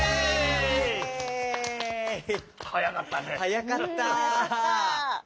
はやかった。